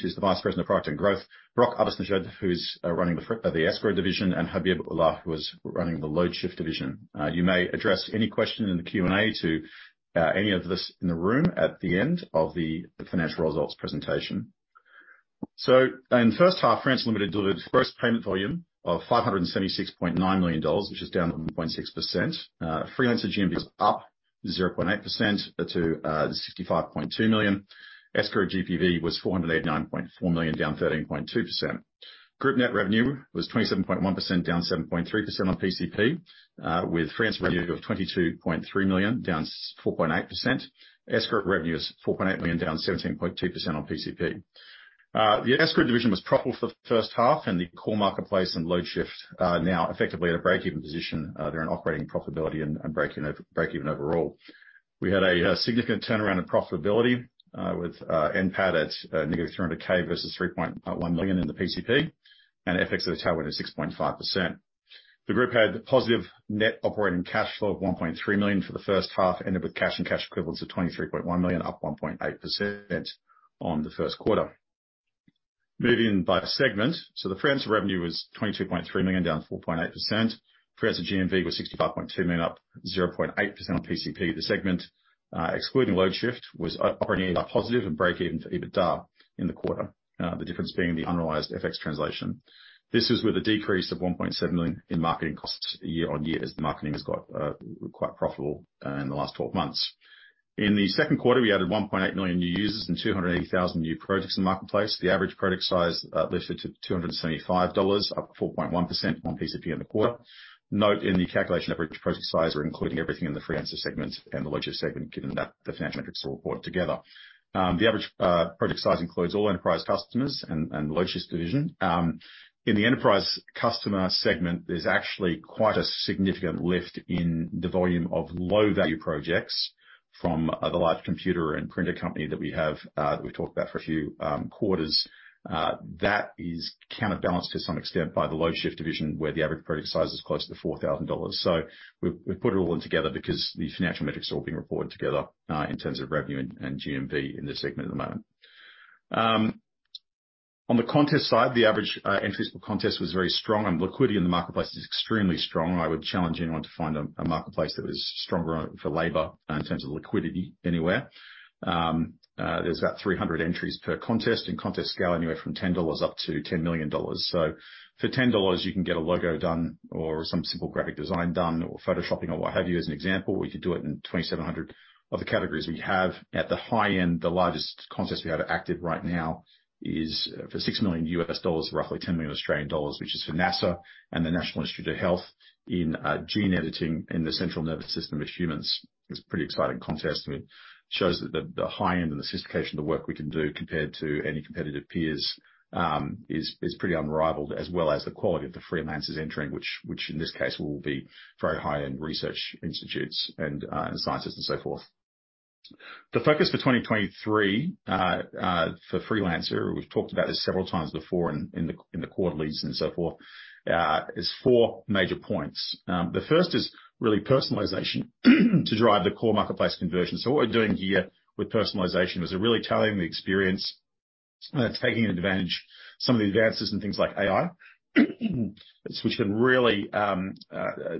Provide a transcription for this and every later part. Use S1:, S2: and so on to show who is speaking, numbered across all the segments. S1: Who's the Vice President of Product and Growth, Brock Abednejad, who's running the Escrow division, and Habib Ullah, who is running the Loadshift division. You may address any question in the Q&A to any of us in the room at the end of the financial results presentation. In the first half, Freelancer Limited delivered a gross payment volume of 576.9 million dollars, which is down 1.6%. Freelancer GMV was up 0.8% to 65.2 million. Escrow GPV was 489.4 million, down 13.2%. Group net revenue was 27.1%, down 7.3% on PCP, with Freelancer revenue of 22.3 million, down 4.8%. Escrow revenue is 4.8 million, down 17.2% on PCP. The Escrow division was profitable for the first half, and the core marketplace and Loadshift now effectively at a break-even position. They're in operating profitability and breaking break-even overall. We had a significant turnaround in profitability with NPAT at negative 300K versus 3.1 million in the PCP, and FX tailwind of 6.5%. The group had positive net operating cash flow of 1.3 million for the first half, ended with cash and cash equivalents of 23.1 million, up 1.8% on the first quarter. Moving by segment. The Freelancer revenue was 22.3 million, down 4.8%. Freelancer GMV was 65.2 million, up 0.8% on PCP. The segment, excluding Loadshift, was operating positive and break even for EBITDA in the quarter. The difference being the unrealized FX translation. This is with a decrease of 1.7 million in marketing costs year-on-year, as the marketing has got quite profitable in the last 12 months. In the second quarter, we added 1.8 million new users and 280,000 new projects in the marketplace. The average project size lifted to 275 dollars, up 4.1% on PCP in the quarter. Note, in the calculation of average project size, we're including everything in the Freelancer segment and the Logistics segment, given that the financial metrics all report together. The average project size includes all enterprise customers and Logistics division. In the enterprise customer segment, there's actually quite a significant lift in the volume of low-value projects from the large computer and printer company that we have that we've talked about for a few quarters. That is counterbalanced to some extent by the Loadshift division, where the average project size is closer to 4,000 dollars. We've put it all in together because the financial metrics are all being reported together in terms of revenue and GMV in this segment at the moment. On the contest side, the average entries per contest was very strong, and liquidity in the marketplace is extremely strong. I would challenge anyone to find a marketplace that was stronger for labor in terms of liquidity anywhere. There's about 300 entries per contest, and contests go anywhere from $10 up to $10 million. For $10, you can get a logo done or some simple graphic design done, or photoshopping or what have you, as an example. We could do it in 2,700 other categories we have. At the high end, the largest contest we have active right now is for $6 million U.S. dollars, roughly 10 million Australian dollars, which is for NASA and the National Institutes of Health in gene editing in the central nervous system of humans. It's a pretty exciting contest. It shows that the high end and the sophistication of the work we can do, compared to any competitive peers, is pretty unrivaled, as well as the quality of the freelancers entering, which in this case will be very high-end research institutes and scientists and so forth. The focus for 2023 for Freelancer, we've talked about this several times before in the quarter leads and so forth, is four major points. The first is really personalization to drive the core marketplace conversion. What we're doing here with personalization is really tailoring the experience, taking advantage of some of the advances in things like AI, which can really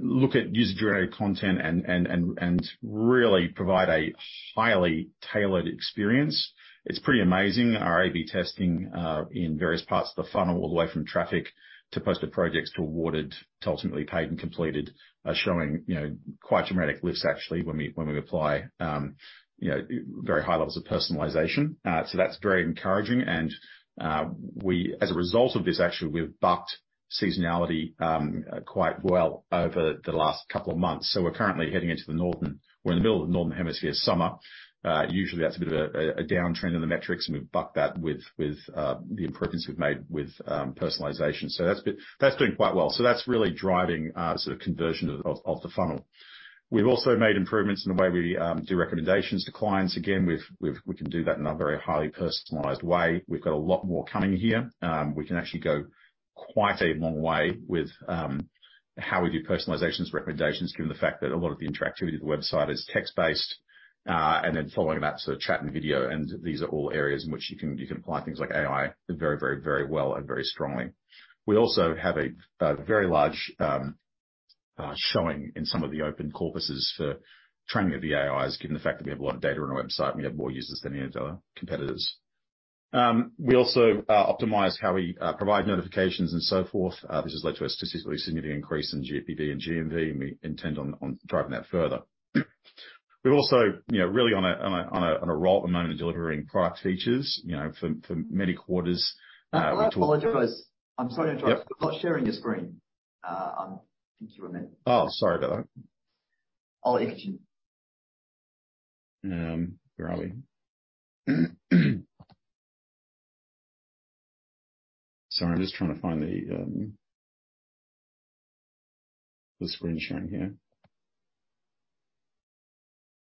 S1: look at user-generated content and really provide a highly tailored experience. It's pretty amazing. Our AB testing, in various parts of the funnel, all the way from traffic to posted projects, to awarded, to ultimately paid and completed, are showing, you know, quite dramatic lifts actually, when we apply very high levels of personalization. That's very encouraging. As a result of this, actually, we've bucked seasonality quite well over the last couple of months. We're currently heading into the northern hemisphere summer. Usually, that's a bit of a downtrend in the metrics, and we've bucked that with the improvements we've made with personalization. That's doing quite well. That's really driving sort of conversion of the funnel. We've also made improvements in the way we do recommendations to clients. We can do that in a very highly personalized way. We've got a lot more coming here. We can actually go quite a long way with how we do personalizations recommendations, given the fact that a lot of the interactivity of the website is text-based. Following that, sort of chat and video, and these are all areas in which you can apply things like AI very well and very strongly. We also have a very large showing in some of the open corpuses for training of the AIs, given the fact that we have a lot of data on our website and we have more users than any of the competitors. We also optimized how we provide notifications and so forth. This has led to a statistically significant increase in GPV and GMV, and we intend on driving that further. We're also, you know, really on a roll at the moment in delivering product features, you know, for many quarters. I apologize. I'm sorry to interrupt. Yep. You're not sharing your screen. Thank you, Amit. Sorry about that. I'll mention. Where are we? I'm just trying to find the screen sharing here.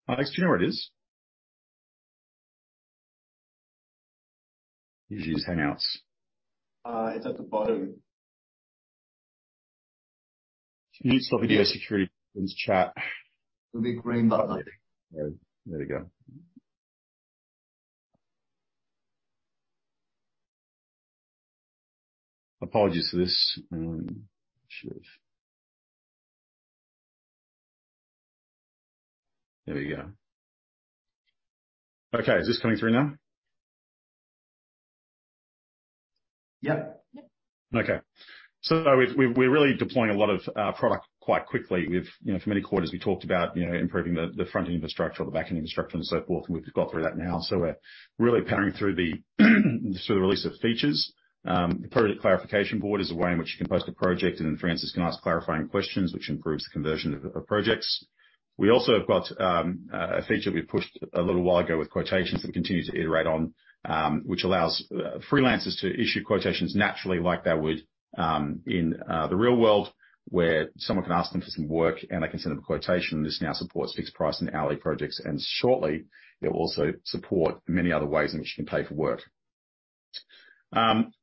S1: Alex, do you know where it is? You use Hangouts. It's at the bottom. Can you stop video security in this chat? It'll be a green button. There we go. Apologies for this. Sure. There we go. Okay, is this coming through now? Yep. Okay. We're really deploying a lot of product quite quickly. We've, you know, for many quarters, we talked about, you know, improving the front-end infrastructure or the back-end infrastructure and so forth, and we've got through that now. We're really powering through the, through the release of features. The project clarification board is a way in which you can post a project, then Francis can ask clarifying questions, which improves the conversion of projects. We also have got a feature we pushed a little while ago with quotations that we continue to iterate on, which allows freelancers to issue quotations naturally like they would in the real world, where someone can ask them for some work, and they can send them a quotation. This now supports fixed price and hourly projects. Shortly, it will also support many other ways in which you can pay for work.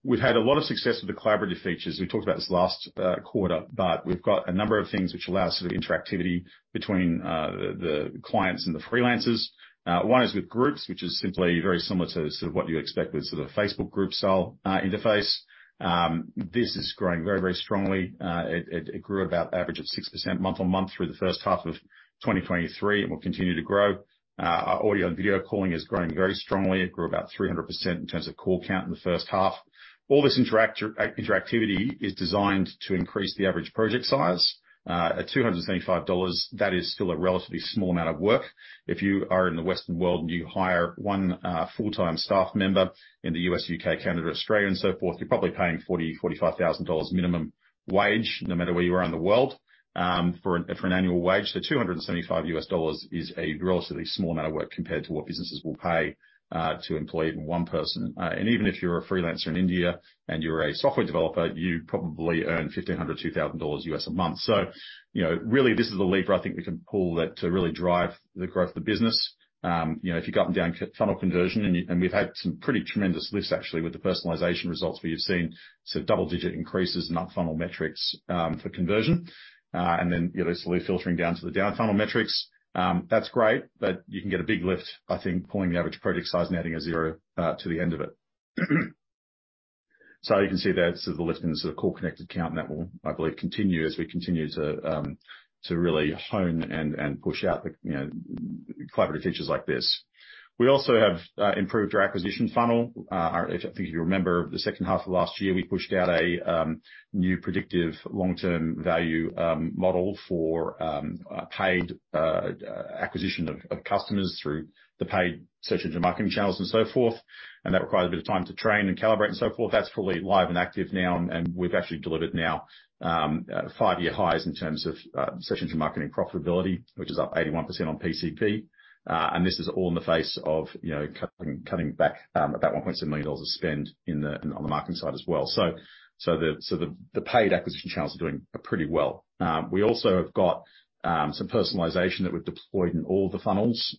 S1: We've had a lot of success with the collaborative features. We talked about this last quarter. We've got a number of things which allow sort of interactivity between the clients and the freelancers. One is with groups, which is simply very similar to sort of what you expect with sort of a Facebook group style interface. This is growing very, very strongly. It grew at about an average of 6% month-on-month through the first half of 2023, and will continue to grow. Our audio and video calling is growing very strongly. It grew about 300% in terms of call count in the first half. All this interactivity is designed to increase the average project size. At 275 dollars, that is still a relatively small amount of work. If you are in the Western world, and you hire one, full-time staff member in the U.S., U.K., Canada, Australia, and so forth, you're probably paying $40,000-$45,000 minimum wage, no matter where you are in the world, for an annual wage. $275 is a relatively small amount of work compared to what businesses will pay, to employ even one person. Even if you're a freelancer in India, and you're a software developer, you probably earn $1,500-$2,000 a month. You know, really, this is the lever I think we can pull that to really drive the growth of the business. You know, if you've gotten down funnel conversion, and we've had some pretty tremendous lifts, actually, with the personalization results where you've seen some double-digit increases in up funnel metrics for conversion. You know, slowly filtering down to the down funnel metrics. That's great, you can get a big lift, I think, pulling the average project size and adding a zero to the end of it. You can see there's the lift in the sort of call connected count, and that will, I believe, continue as we continue to really hone and push out the, you know, collaborative features like this. We also have improved our acquisition funnel. I don't know if you remember, the second half of last year, we pushed out a new predictive long-term value model for paid acquisition of customers through the paid search engine marketing channels and so forth, and that requires a bit of time to train and calibrate and so forth. That's fully live and active now, we've actually delivered now five-year highs in terms of search engine marketing profitability, which is up 81% on PCP. This is all in the face of, you know, cutting back about 1.7 million dollars of spend on the marketing side as well. The paid acquisition channels are doing pretty well. We also have got some personalization that we've deployed in all the funnels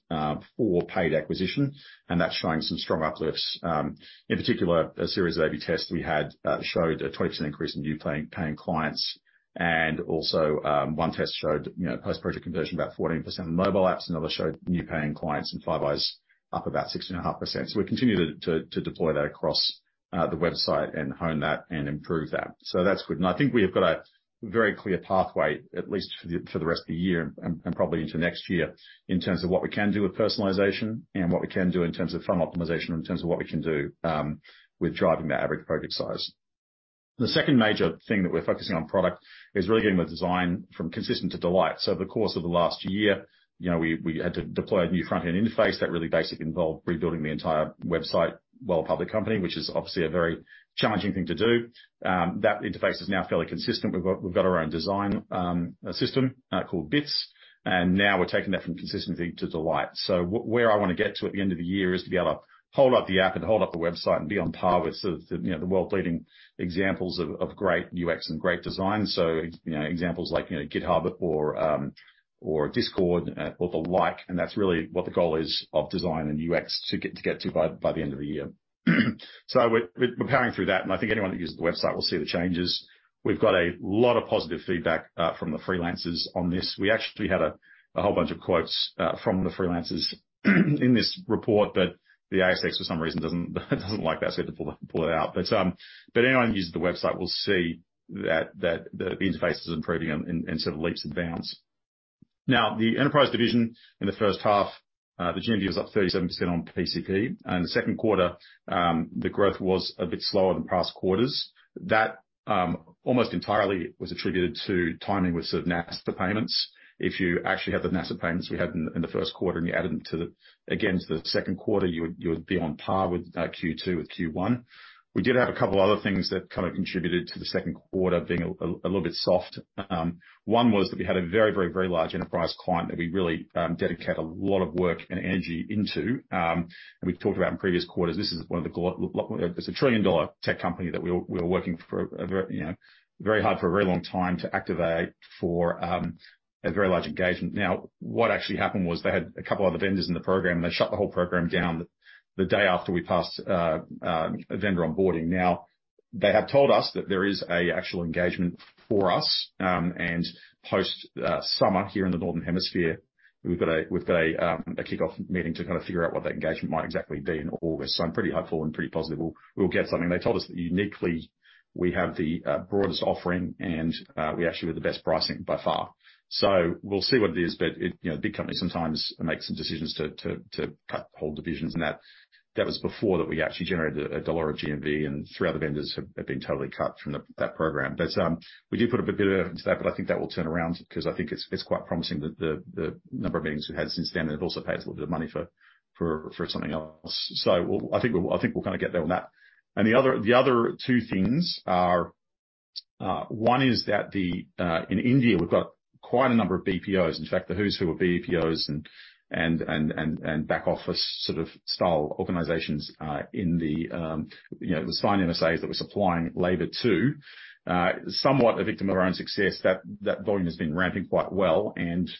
S1: for paid acquisition, that's showing some strong uplifts. In particular, a series of AB tests we had showed a 20% increase in new paying clients, and also, one test showed, you know, post-project conversion, about 14% on mobile apps. Another showed new paying clients and five eyes up about 16.5%. We continue to deploy that across the website and hone that and improve that. That's good. I think we have got a very clear pathway, at least for the rest of the year and probably into next year, in terms of what we can do with personalization and what we can do in terms of funnel optimization, and in terms of what we can do with driving the average project size. The second major thing that we're focusing on product is really getting the design from consistent to delight. Over the course of the last year, you know, we had to deploy a new front-end interface that really basically involved rebuilding the entire website while a public company, which is obviously a very challenging thing to do. That interface is now fairly consistent. We've got our own design system called Bits, and now we're taking that from consistency to delight. Where I want to get to at the end of the year is to be able to hold up the app and hold up the website and be on par with sort of the, you know, the world-leading examples of great UX and great design. You know, examples like, you know, GitHub or Discord or the like, and that's really what the goal is of design and UX to get to by the end of the year. We're powering through that, and I think anyone that uses the website will see the changes. We've got a lot of positive feedback from the freelancers on this. We actually had a whole bunch of quotes from the Freelancers in this report. The ASX, for some reason, doesn't like us to pull it out. Anyone who uses the website will see that the interface is improving in sort of leaps and bounds. The enterprise division in the first half, the revenue was up 37% on PCP. The second quarter, the growth was a bit slower than past quarters. That almost entirely was attributed to timing with sort of NASA payments. If you actually had the NASA payments we had in the first quarter, and you added them to the second quarter, you would be on par with Q2 with Q1. We did have a couple other things that kind of contributed to the second quarter being a little bit soft. One was that we had a very large enterprise client that we really dedicated a lot of work and energy into. We've talked about in previous quarters, this is one of the it's a trillion-dollar tech company that we were working for, you know, very hard for a very long time to activate for a very large engagement. Now, what actually happened was they had a couple other vendors in the program, and they shut the whole program down the day after we passed vendor onboarding. They have told us that there is a actual engagement for us, and post summer here in the Northern Hemisphere. We've got a kickoff meeting to kind of figure out what that engagement might exactly be in August. I'm pretty hopeful and pretty positive we'll get something. They told us that uniquely, we have the broadest offering, and we actually have the best pricing by far. We'll see what it is, but it, you know, big companies sometimes make some decisions to cut whole divisions, and that was before that we actually generated AUD 1 of GMV, and three other vendors have been totally cut from that program. We do put a bit of effort into that, but I think that will turn around because I think it's quite promising that the number of meetings we've had since then, and it also pays a little bit of money for something else. I think, I think we'll kinda get there on that. The other two things are, one is that the, in India, we've got quite a number of BPOs. In fact, the who's who of BPOs and back office sort of style organizations, in the, you know, we're signing MSAs that we're supplying labor to. Somewhat a victim of our own success, that volume has been ramping quite well,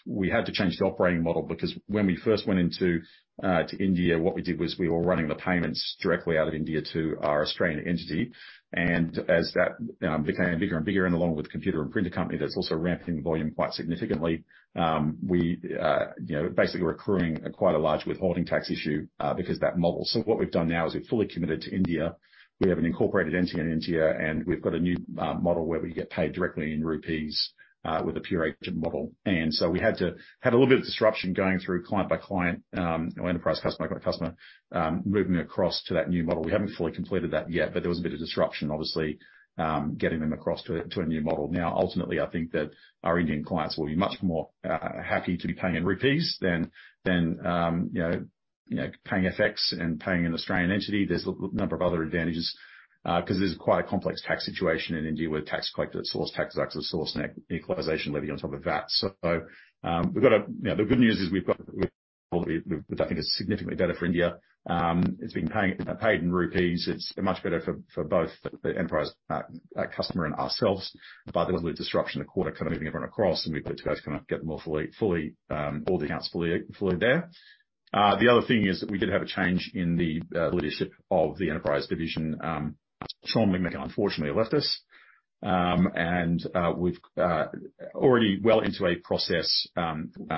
S1: we had to change the operating model because when we first went into India, what we did was we were running the payments directly out of India to our Australian entity. As that became bigger and bigger and along with computer and printer company, that's also ramping the volume quite significantly. We, you know, basically we're accruing quite a large withholding tax issue because of that model. What we've done now is we've fully committed to India. We have an incorporated entity in India, and we've got a new model where we get paid directly in rupees with a pure agent model. we had to have a little bit of disruption going through client by client, or enterprise customer by customer, moving across to that new model. We haven't fully completed that yet, but there was a bit of disruption, obviously, getting them across to a new model. Ultimately, I think that our Indian clients will be much more happy to be paying in rupees than, you know, paying FX and paying an Australian entity. There's a number of other advantages, because there's quite a complex tax situation in India, with tax collected at source, and equalization levy on top of that. The good news is we've got, I think it's significantly better for India. It's been paid in rupees. It's much better for both the enterprise customer and ourselves, but there was a little disruption in the quarter, kind of moving everyone across, and we've got to kind of get them all fully, all the accounts fully there. The other thing is that we did have a change in the leadership of the enterprise division. Sean McMahon unfortunately left us, and we've already well into a process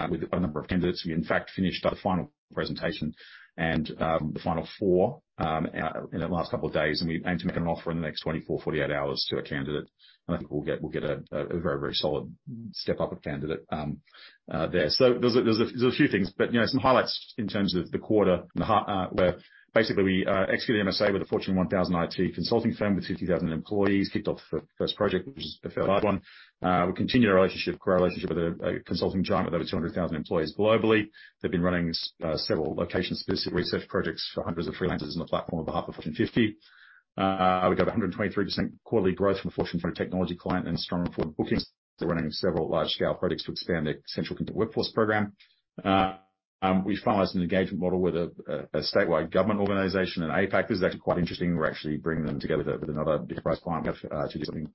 S1: with a number of candidates. We, in fact, finished our final presentation and the final four in the last couple of days, and we aim to make an offer in the next 24, 48 hours to a candidate. I think we'll get a very solid step up a candidate there. There's a few things, but, you know, some highlights in terms of the quarter, and where basically we executed MSA with a Fortune One Thousand IT consulting firm with 50,000 employees. Kicked off the first project, which is a fair large one. We continued our relationship, grow our relationship with a consulting giant with over 200,000 employees globally. They've been running several location-specific research projects for hundreds of freelancers on the platform on behalf of Fortune 50. We got 123% quarterly growth from a Fortune 20 technology client and strong forward bookings. We're running several large-scale projects to expand their central workforce program. We finalized an engagement model with a statewide government organization in APAC. This is actually quite interesting. We're actually bringing them together with another enterprise client to do something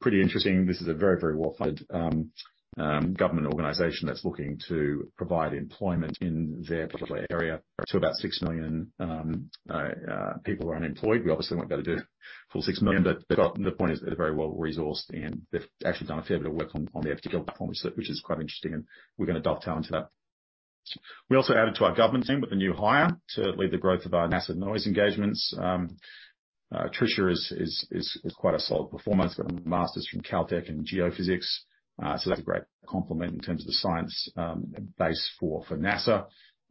S1: pretty interesting. This is a very, very well-funded government organization that's looking to provide employment in their particular area to about 6 million people who are unemployed. We obviously won't be able to do a full 6 million, but the point is, they're very well resourced, and they've actually done a fair bit of work on the FTL platform, which is quite interesting, and we're going to dovetail into that. We also added to our government team with a new hire to lead the growth of our NASA Noise engagements. Trisha is quite a solid performer. She's got a master's from Caltech in geophysics. That's a great complement in terms of the science base for NASA.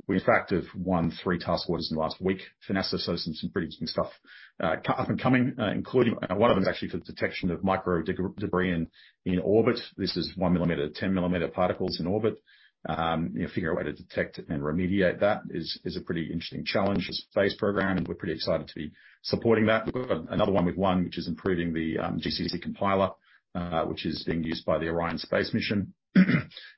S1: We, in fact, have won three task orders in the last week for NASA, so some pretty interesting stuff up and coming, including. One of them is actually for the detection of micro debris in orbit. This is 1 millimeter-10 millimeter particles in orbit. You know, figure out a way to detect and remediate that is a pretty interesting challenge, the space program, and we're pretty excited to be supporting that. We've got another one we've won, which is improving the GCC compiler, which is being used by the Orion space mission.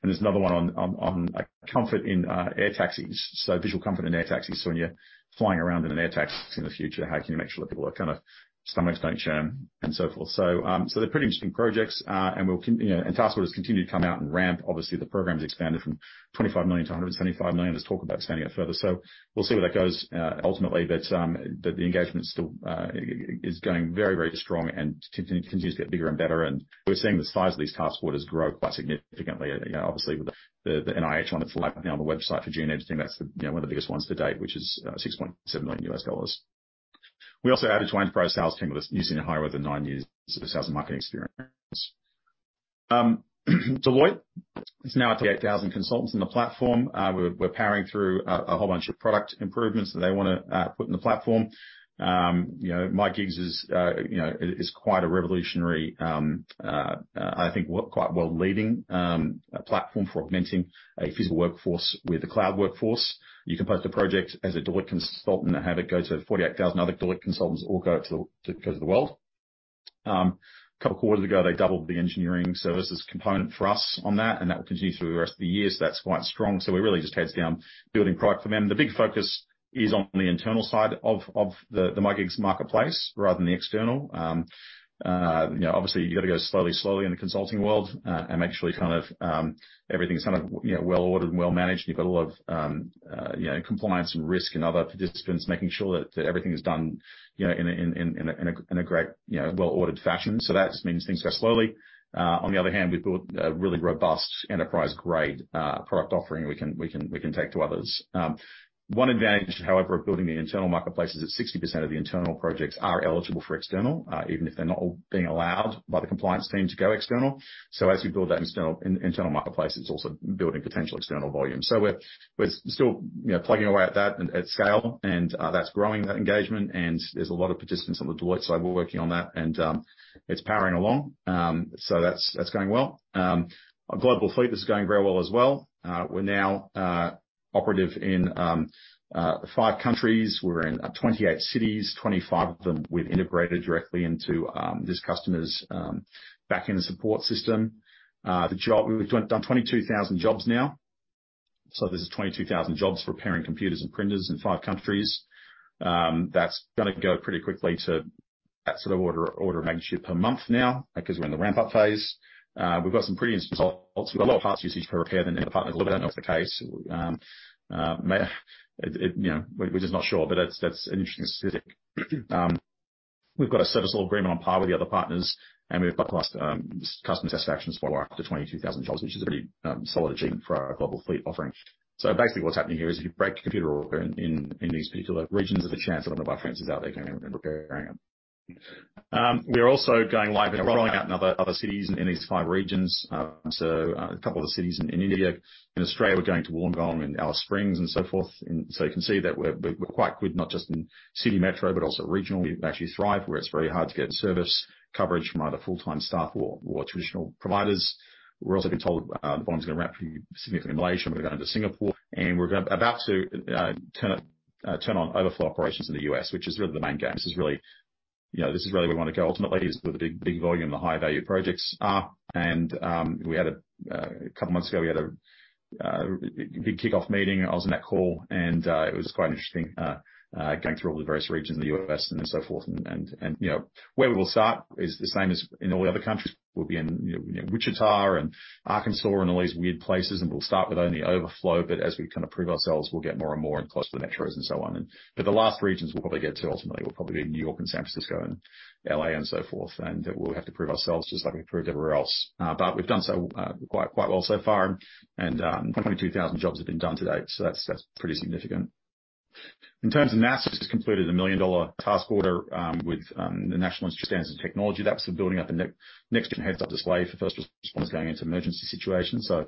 S1: There's another one on comfort in air taxis. Visual comfort in air taxis. When you're flying around in an air taxi in the future, how can you make sure that people are kind of, stomachs don't churn and so forth? They're pretty interesting projects, you know, and task orders continue to come out and ramp. Obviously, the program's expanded from 25 million-175 million. Let's talk about expanding it further. We'll see where that goes, ultimately, but the engagement is still going very, very strong and continues to get bigger and better. We're seeing the size of these task orders grow quite significantly. You know, obviously, with the NIH one that's live on the website for June, I just think that's, you know, one of the biggest ones to date, which is $6.7 million U.S. dollars. We also added to our enterprise sales team with us, using a hire with nine years of sales and marketing experience. Deloitte is now at 38,000 consultants in the platform. We're powering through a whole bunch of product improvements that they wanna put in the platform. You know, My Gigs is, you know, is quite a revolutionary, I think, quite well leading platform for augmenting a physical workforce with a cloud workforce. You can post a project as a Deloitte consultant and have it go to 48,000 other Deloitte consultants or go to the, to the guys of the world. A couple of quarters ago, they doubled the engineering services component for us on that, and that will continue through the rest of the year. That's quite strong. We're really just heads down building product for them. The big focus is on the internal side of the My Gigs marketplace rather than the external. You know, obviously, you've got to go slowly in the consulting world, and make sure you kind of, everything's kind of, you know, well-ordered and well-managed. You've got a lot of, you know, compliance and risk and other participants making sure that everything is done, you know, in a great, you know, well-ordered fashion. That just means things go slowly. On the other hand, we've built a really robust enterprise-grade product offering we can take to others. One advantage, however, of building the internal marketplace is that 60% of the internal projects are eligible for external, even if they're not all being allowed by the compliance team to go external. As you build that internal marketplace, it's also building potential external volume. We're still, you know, plugging away at that and at scale, that's growing, that engagement. There's a lot of participants on the Deloitte side, we're working on that, it's powering along. That's going well. Our global fleet is going very well as well. We're now operative in five countries. We're in 28 cities. 25 of them, we've integrated directly into this customer's back-end support system. We've done 22,000 jobs now. This is 22,000 jobs for repairing computers and printers in five countries. That's gonna go pretty quickly to that sort of order of magnitude per month now because we're in the ramp-up phase. We've got some pretty interesting results. We've got a lot of parts usage per repair than the partners. I don't know if that's the case. It, you know, we're just not sure, but that's an interesting statistic. We've got a service level agreement on par with the other partners, and we've got customer satisfaction for up to 22,000 jobs, which is a pretty solid achievement for our global fleet offering. Basically, what's happening here is, if you break your computer or in these particular regions, there's a chance that one of our friends is out there coming and repairing them. We are also going live and rolling out in other cities in these five regions. A couple of the cities in India. In Australia, we're going to Warrnambool and Alice Springs and so forth. You can see that we're quite good, not just in city metro, but also regionally, actually thrive where it's very hard to get service coverage from either full-time staff or traditional providers. We're also being told, the bottom is going to ramp pretty significantly in Malaysia, and we're going to Singapore, and we're about to turn on overflow operations in the U.S., which is really the main game. This is really, you know, this is really where we want to go ultimately, is where the big volume and the high-value projects are. A couple months ago, we had a big kickoff meeting. I was on that call, and it was quite interesting going through all the various regions of the U.S. and so forth. You know, where we will start is the same as in all the other countries. We'll be in, you know, Wichita and Arkansas and all these weird places, and we'll start with only overflow, but as we kind of prove ourselves, we'll get more and more and closer to the metros and so on. The last regions we'll probably get to ultimately will probably be New York and San Francisco and L.A. and so forth, and we'll have to prove ourselves just like we've proved everywhere else. We've done so quite well so far, and 22,000 jobs have been done to date, so that's pretty significant. In terms of mass, just completed a $1 million task order with the National Institute of Standards and Technology. That's for building up the next generation heads-up display for first responders going into emergency situations. You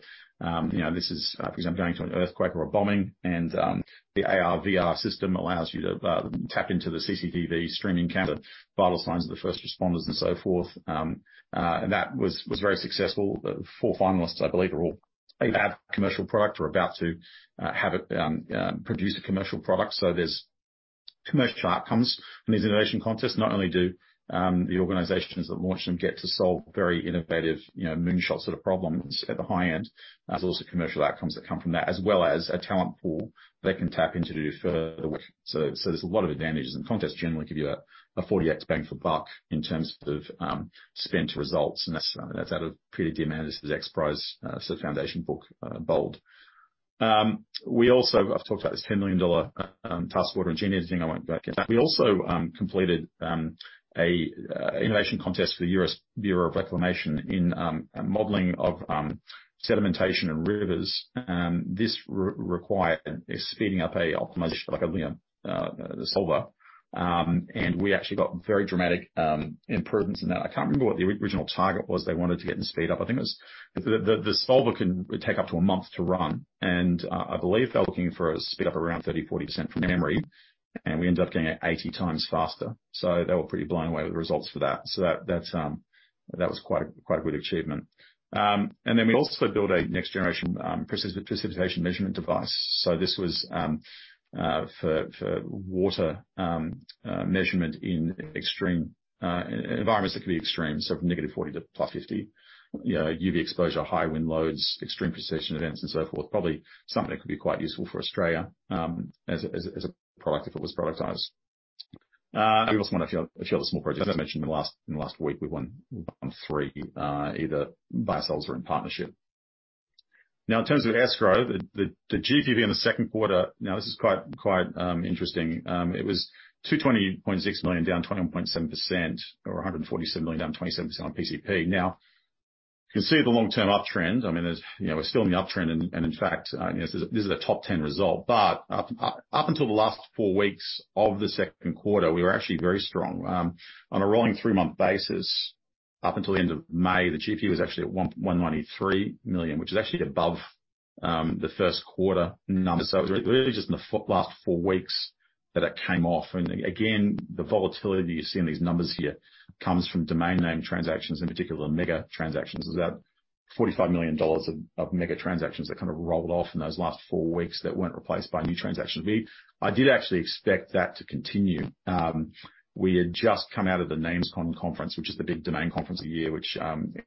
S1: know, this is, for example, going to an earthquake or a bombing, and the AR/VR system allows you to tap into the CCTV streaming count, vital signs of the first responders and so forth. And that was very successful. The four finalists, I believe, are all have commercial product or about to have it produce a commercial product. There's commercial outcomes from these innovation contests. Not only do the organizations that launch them get to solve very innovative, you know, moonshot sort of problems at the high end, there's also commercial outcomes that come from that, as well as a talent pool they can tap into to do further work. There's a lot of advantages, and contests generally give you a 40x bang for buck in terms of spend to results, and that's out of Peter Diamandis' XPRIZE Foundation Book, Bold. We also I've talked about this $10 million task order engineering thing. I won't go again. We also completed an innovation contest for the U.S. Bureau of Reclamation in modeling of sedimentation in rivers. This required a speeding up a optimization, like a solver. We actually got very dramatic improvements in that. I can't remember what the original target was they wanted to get in speed up. I think it was the solver can take up to a month to run, and I believe they were looking for a speed up around 30%-40% from memory, and we ended up getting it 80x faster. They were pretty blown away with the results for that. That's quite a good achievement. We also built a next-generation precipitation measurement device. This was for water measurement in extreme environments that could be extreme, so from -40 to +50, you know, UV exposure, high wind loads, extreme precipitation events, and so forth. Probably something that could be quite useful for Australia as a product if it was productized. We also won a few other small projects. As I mentioned in the last week, we won three either by ourselves or in partnership. In terms of escrow, the GPV in the second quarter, now this is quite interesting. It was 220.6 million, down 21.7%, or 147 million, down 27% on PCP. You can see the long-term uptrend. I mean, there's, you know, we're still in the uptrend, and in fact, you know, this is a top 10 result up until the last four weeks of the second quarter, we were actually very strong. On a rolling three-month basis, up until the end of May, the GP was actually at 193 million, which is actually above the first quarter numbers. It was really just in the last four weeks that it came off, and again, the volatility that you see in these numbers here comes from domain name transactions, in particular, mega transactions. There's about 45 million dollars of mega transactions that kind of rolled off in those last four weeks that weren't replaced by new transactions. I did actually expect that to continue. We had just come out of the NamesCon conference, which is the big domain conference of the year, which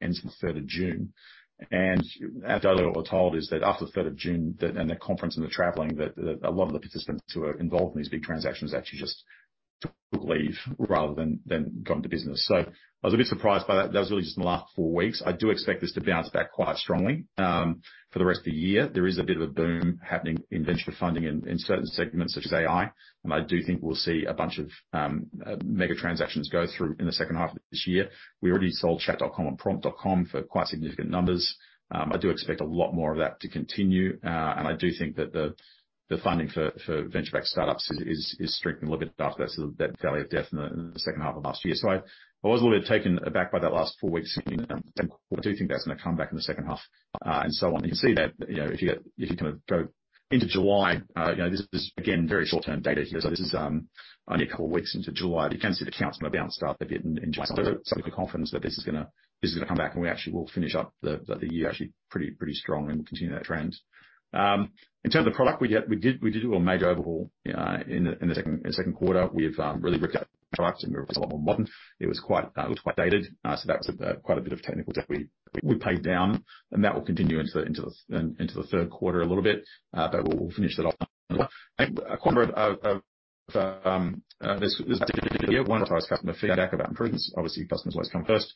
S1: ends the June 3rd. After what we're told is that after the June 3rd, that, and the conference and the traveling, that a lot of the participants who are involved in these big transactions to leave rather than going to business. I was a bit surprised by that. That was really just in the last four weeks. I do expect this to bounce back quite strongly, for the rest of the year. There is a bit of a boom happening in venture funding in certain segments such as AI, and I do think we'll see a bunch of mega transactions go through in the second half of this year. We already sold chat.com and prompt.com for quite significant numbers. I do expect a lot more of that to continue, and I do think that the funding for venture backed startups is shrinking a little bit after that, sort of, that valley of death in the second half of last year. I was a little bit taken aback by that last four weeks, but I do think that's going to come back in the second half, and so on. You can see that, you know, if you, if you kind of go into July, you know, this is, again, very short-term data here. This is only a couple of weeks into July, but you can see the counts gonna bounce up a bit in July. With the confidence that this is gonna come back, and we actually will finish up the year actually pretty strong, and we'll continue that trend. In terms of product, we did do a major overhaul in the second quarter. We've really ripped out the products, and we're a lot more modern. It was quite, it was quite dated. That was quite a bit of technical debt we paid down, and that will continue into the third quarter a little bit, but we'll finish that off. A quarter of this year, one, customer feedback about improvements. Obviously, customers always come first.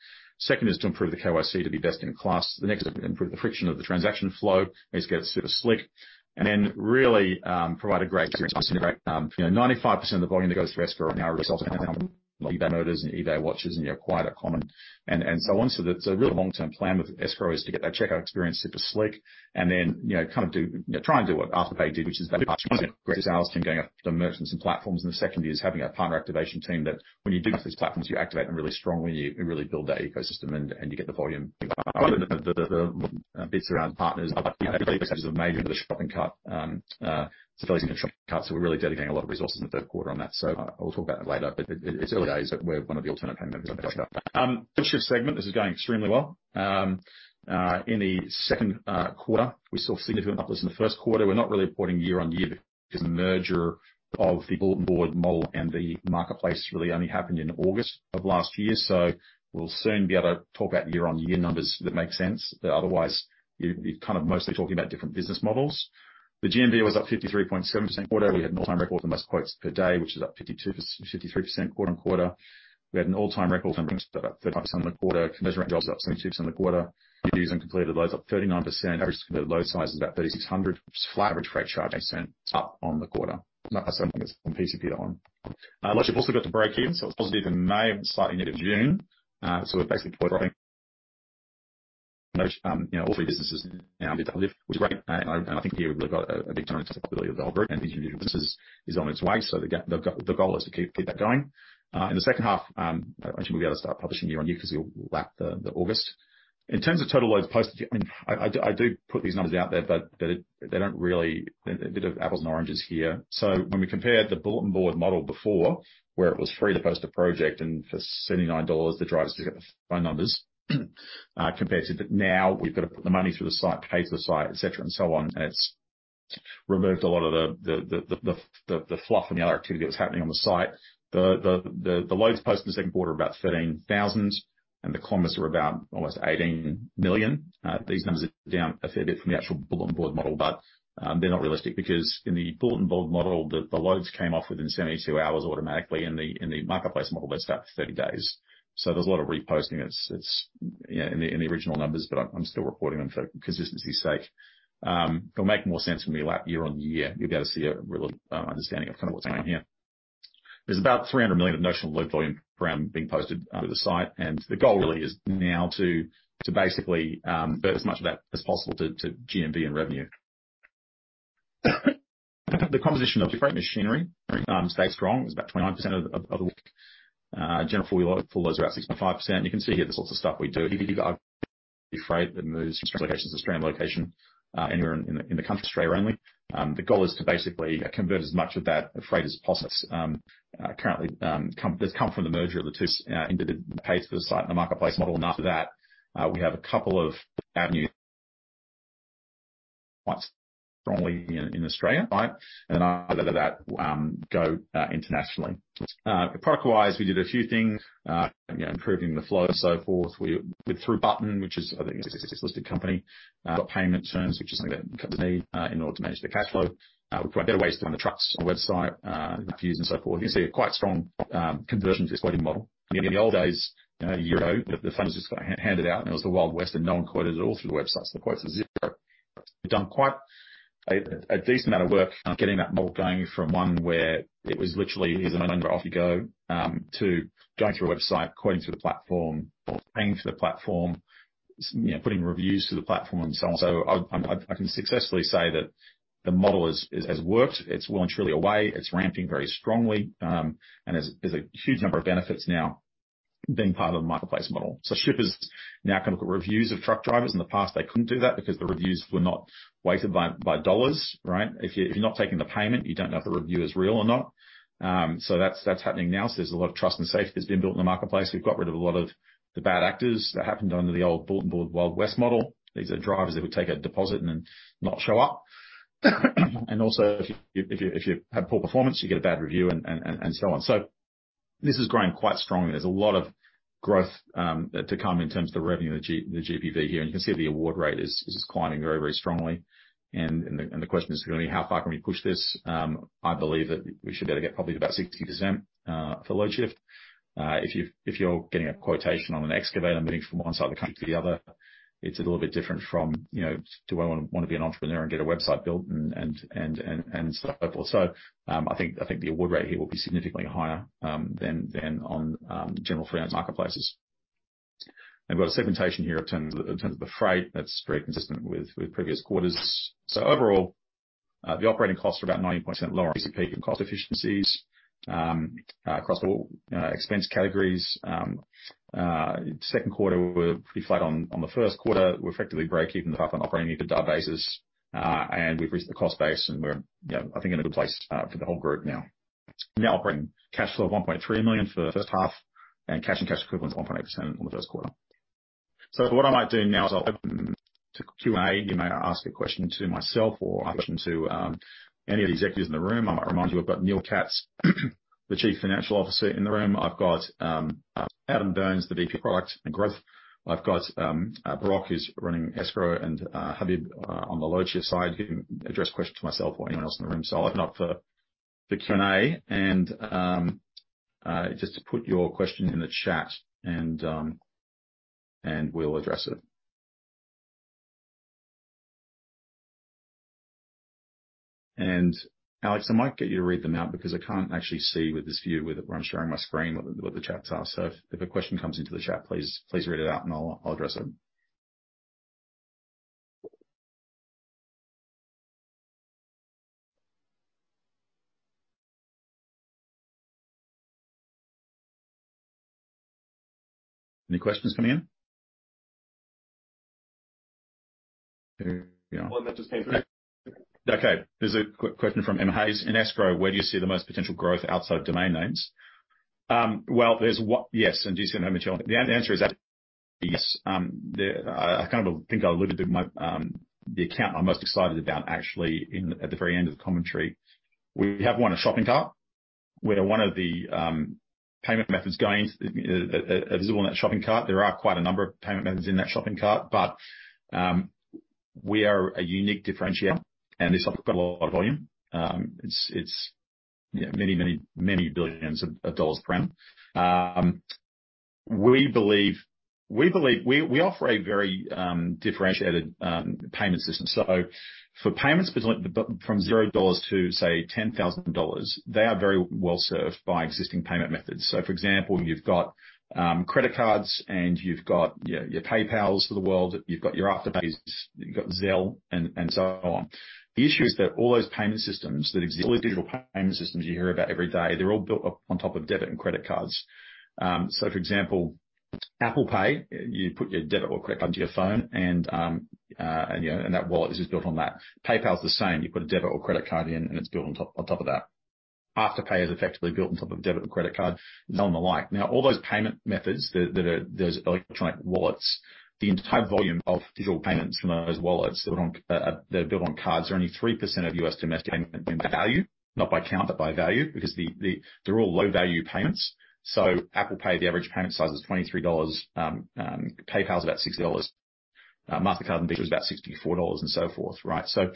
S1: Two is to improve the KYC to be best in class. The next is improve the friction of the transaction flow, is to get super slick. Really provide a great experience. You know, 95% of the volume that goes through Escrow now results in eBay Motors and eBay watches, and you have quite a common, and so on. The real long-term plan with Escrow is to get that checkout experience super slick, and then, you know, kind of do. You know, try and do what Afterpay did, which is that great sales team going up to merchants and platforms. The second is having a partner activation team that when you do these platforms, you activate them really strongly, you really build that ecosystem and you get the volume. Other than the Bits around partners, major shopping cart. These shopping carts, we're really dedicating a lot of resources in the third quarter on that. I'll talk about that later, but it's early days, but we're one of the alternate payment methods. Shipping segment, this is going extremely well. In the 2nd quarter, we saw significant upwards in the 1st quarter. We're not really reporting year-over-year because the merger of the bulletin board model and the marketplace really only happened in August of last year. We'll soon be able to talk about year-over-year numbers that make sense. Otherwise, you're kind of mostly talking about different business models. The GMV was up 53.7% quarter. We had an all-time record, the most quotes per day, which is up 52%-53% quarter-on-quarter. We had an all-time record on things that are up 35% on the quarter. Commercial drives up 72% in the quarter, using completed loads up 39%. Average completed load size is about 3,600, flat average freight charge 8% up on the quarter. That's something that's from PCP on. We've also got the break here. It's positive in May and slightly end of June. Basically, you know, all three businesses now did that, which is great, and I think we've got a big ability of the delivery, and each business is on its way, so the goal is to keep that going. In the second half, I think we'll be able to start publishing year-over-year because we'll lap the August. In terms of total loads posted, I mean, I do put these numbers out there, but they don't really. A bit of apples and oranges here. When we compare the bulletin board model before, where it was free to post a project, and for 79 dollars, the drivers did get the phone numbers, compared to now, we've got to put the money through the site, pay for the site, et cetera, and so on. It's removed a lot of the fluff and the other activity that's happening on the site. The loads posted in the second quarter are about 13,000, and the commerce were about almost 18 million. These numbers are down a fair bit from the actual bulletin board model, they're not realistic because in the bulletin board model, the loads came off within 72 hours automatically. In the marketplace model, that's about 30 days. There's a lot of reposting. It's, you know, in the original numbers, but I'm still reporting them for consistency's sake. It'll make more sense when we lap year-on-year. You'll be able to see a real understanding of kind of what's going on here. There's about 300 million of notional load volume from being posted onto the site, and the goal really is now to basically convert as much of that as possible to GMV and revenue. The composition of the freight machinery stays strong. It's about 29% of the week. General full load, full loads are up 6.5%. You can see here, there's lots of stuff we do. Freight that moves from locations to Australian location, anywhere in the country, Australia only. The goal is to basically convert as much of that freight as possible. Currently, that's come from the merger of the two into the pay for the site and the marketplace model. After that, we have a couple of avenues, quite strongly in Australia, right? After that, go internationally. Product-wise, we did a few things, improving the flow and so forth. We, through Butn, which is, I think, a listed company, got payment terms, which is something that covers me in order to manage the cash flow. We've got better ways to run the trucks on the website, fuse and so forth. You can see a quite strong conversion to this model. In the old days, one year ago, the funds just got handed out, and it was the Wild West, and no one quoted at all through the websites, so the quotes are zero. We've done quite a decent amount of work on getting that model going from one where it was literally, "Here's the money, and off you go," to going through a website, quoting through the platform, or paying through the platform, you know, putting reviews through the platform and so on. I can successfully say that the model has worked. It's well and truly away. It's ramping very strongly, and there's a huge number of benefits now being part of the marketplace model. Shippers now can look at reviews of truck drivers. In the past, they couldn't do that because the reviews were not weighted by dollars, right? If you're not taking the payment, you don't know if the review is real or not. That's happening now. There's a lot of trust and safety that's been built in the marketplace. We've got rid of a lot of the bad actors that happened under the old bulletin board Wild West model. These are drivers that would take a deposit and then not show up. Also, if you have poor performance, you get a bad review, and so on. This is growing quite strongly. There's a lot of growth to come in terms of the revenue, the GPV here, and you can see the award rate is climbing very, very strongly. The question is really, how far can we push this? I believe that we should be able to get probably about 60% for Loadshift. If you're getting a quotation on an excavator, moving from one side of the country to the other, it's a little bit different from, you know, do I wanna be an entrepreneur and get a website built and so forth. I think the award rate here will be significantly higher than on general freelance marketplaces. We've got a segmentation here in terms of the freight, that's very consistent with previous quarters. Overall, the operating costs are about 9% lower than peak and cost efficiencies across all expense categories. Second quarter were pretty flat on the first quarter. We're effectively breaking even the half on operating EBITDA basis, and we've reached the cost base, and we're, you know, I think, in a good place for the whole group now. Operating cash flow of 1.3 million for the first half, and cash and cash equivalents 1.8% on the first quarter. What I might do now is I'll open to Q&A. You may now ask a question to myself or a question to any of the executives in the room. I might remind you, I've got Neil Katz, the Chief Financial Officer, in the room. I've got Adam Byrnes, the VP of Product and Growth. I've got Barak, who's running Escrow, and Habib on the Loadshift side. You can address questions to myself or anyone else in the room. I'll open up for the Q&A, just to put your question in the chat and we'll address it. Alex, I might get you to read them out because I can't actually see with this view, with where I'm sharing my screen, what the chats are. If a question comes into the chat, please read it out and I'll address it. Any questions coming in?
S2: There we are. One just came through. Okay. There's a question from Emma Hayes: In escrow, where do you see the most potential growth outside of domain names?
S1: Well, there's one... Yes, and you see, the answer is that, yes, I kind of think I alluded to the account I'm most excited about actually in, at the very end of the commentary. We have one, a shopping cart, where one of the payment methods going into visible in that shopping cart. There are quite a number of payment methods in that shopping cart, but we are a unique differentiator, and this has got a lot of volume. It's many billions of dollars per annum. We believe we offer a very differentiated payment system. For payments from $0 to, say, $10,000, they are very well served by existing payment methods. For example, you've got credit cards, and you've got your PayPals of the world, you've got your Afterpays, you've got Zelle, and so on. The issue is that all those payment systems that exist, all the digital payment systems you hear about every day, they're all built up on top of debit and credit cards. For example, Apple Pay, you put your debit or credit card to your phone and, you know, and that wallet is just built on that. PayPal's the same. You put a debit or credit card in. It's built on top of that. Afterpay is effectively built on top of debit or credit card, and so on the like. All those payment methods that are, those electronic wallets, the entire volume of digital payments from those wallets that are on, that are built on cards, are only 3% of U.S. domestic payment value. Not by count, but by value, because the they're all low-value payments. Apple Pay, the average payment size is $23, PayPal is about $60, Mastercard and Visa is about $64 and so forth, right? And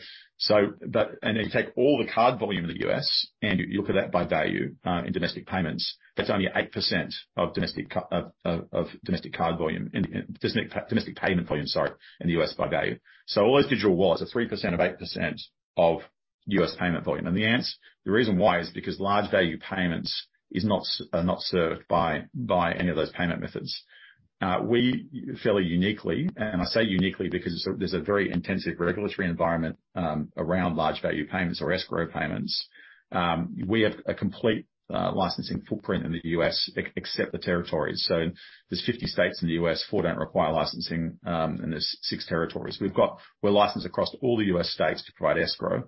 S1: then you take all the card volume in the U.S., and you look at that by value, in domestic payments, that's only 8% of domestic card volume, and domestic payment volume, sorry, in the U.S. by value. All those digital wallets are 3% of 8% of U.S. payment volume. The reason why is because large value payments are not served by any of those payment methods. We fairly, uniquely, and I say uniquely because there's a very intensive regulatory environment around large value payments or escrow payments. We have a complete licensing footprint in the U.S. except the territories. There's 50 states in the U.S., four don't require licensing, and there's six territories. We're licensed across all the U.S. states to provide escrow,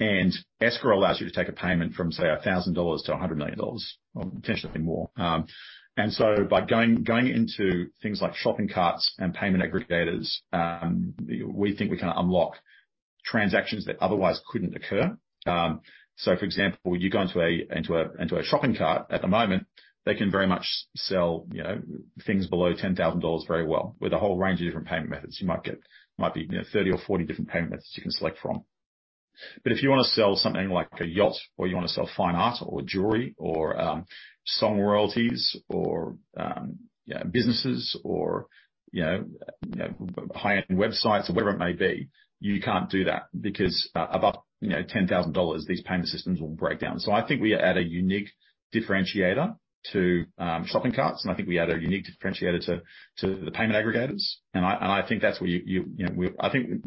S1: and escrow allows you to take a payment from, say, $1,000 to $100 million or potentially more. By going into things like shopping carts and payment aggregators, we think we can unlock transactions that otherwise couldn't occur. For example, you go into a shopping cart at the moment, they can very much sell, you know, things below $10,000 very well with a whole range of different payment methods. You might get, you know, 30 or 40 different payment methods you can select from. If you want to sell something like a yacht or you want to sell fine art, or jewelry, or song royalties, or yeah, businesses, or, you know, high-end websites or whatever it may be, you can't do that because above, you know, 10,000 dollars, these payment systems will break down. I think we add a unique differentiator to shopping carts, and I think we add a unique differentiator to the payment aggregators. I think that's where you know, we I think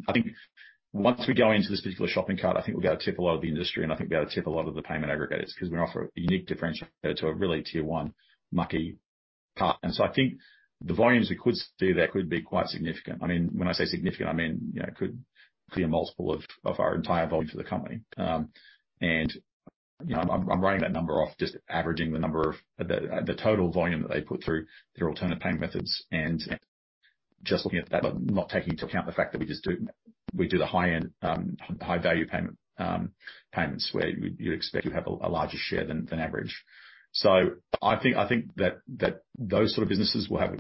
S1: once we go into this particular shopping cart, I think we've got to tip a lot of the industry, and I think we've got to tip a lot of the payment aggregators because we offer a unique differentiator to a really tier one mucky part. I think the volumes we could see there could be quite significant. I mean, when I say significant, I mean, you know, it could be a multiple of our entire volume for the company. You know, I'm running that number off, just averaging the number of the total volume that they put through their alternative payment methods just looking at that, but not taking into account the fact that we do the high-end, high-value payment payments, where you'd expect to have a larger share than average. I think that those sort of businesses will have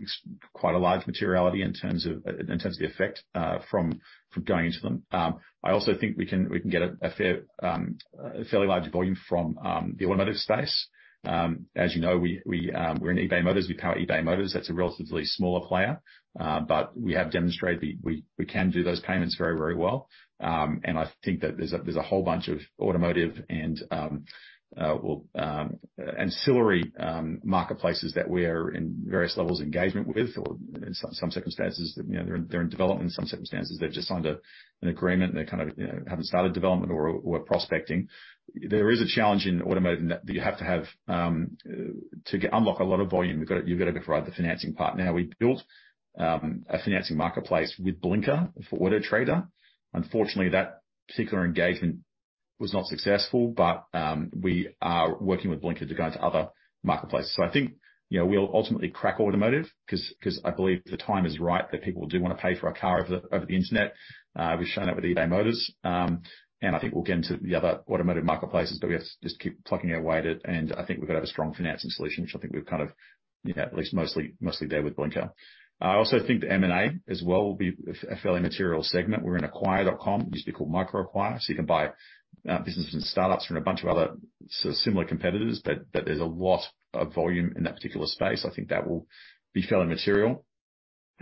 S1: quite a large materiality in terms of the effect, from going into them. I also think we can get a fairly large volume from the automotive space. As you know, we're in eBay Motors. We power eBay Motors. That's a relatively smaller player, but we have demonstrated that we can do those payments very, very well. I think that there's a whole bunch of automotive and well, ancillary marketplaces that we're in various levels of engagement with, or in some circumstances, you know, they're in development. In some circumstances, they've just signed an agreement, and they kind of, you know, haven't started development or are prospecting. There is a challenge in automotive in that you have to have. To unlock a lot of volume, you've got to provide the financing part. We built a financing marketplace with Blinker for Autotrader. Unfortunately, that particular engagement was not successful, we are working with Blinker to go into other marketplaces. I think, you know, we'll ultimately crack automotive because I believe the time is right, that people do want to pay for a car over the internet. We've shown that with eBay Motors. I think we'll get into the other automotive marketplaces, we have to just keep plucking our way to... I think we've got to have a strong financing solution, which I think we're kind of, you know, at least mostly there with Blinker. I also think the M&A as well will be a fairly material segment. We're in Acquire.com, used to be called MicroAcquire, so you can buy businesses and startups from a bunch of other sort of similar competitors, but there's a lot of volume in that particular space. I think that will be fairly material.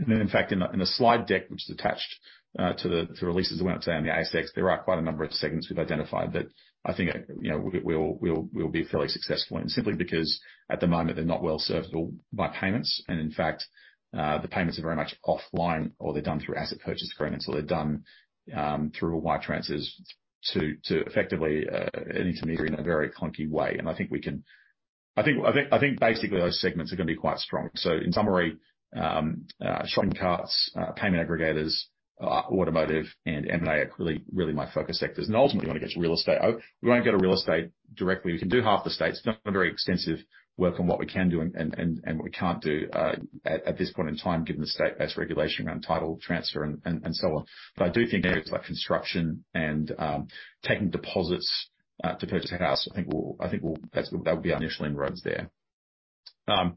S1: In fact, in the slide deck, which is attached to the releases that went out today on the ASX, there are quite a number of segments we've identified that I think, you know, we'll be fairly successful in. Simply because at the moment, they're not well served at all by payments, and in fact, the payments are very much offline, or they're done through asset purchase agreements, or they're done through wire transfers to effectively an intermediary in a very clunky way. I think we can-- I think basically those segments are going to be quite strong. In summary, shopping carts, payment aggregators, automotive and M&A are really, really my focus sectors. Ultimately, we want to get to real estate. Oh, we won't get to real estate directly. We can do half the states, done a very extensive work on what we can do and what we can't do at this point in time, given the state-based regulation around title transfer and so on. I do think things like construction and taking deposits to purchase a house, I think will... That will be our initial inroads there. How